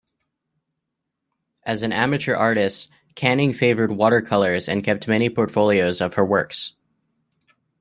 As an amateur artist, Canning favoured watercolours and kept many portfolios of her works.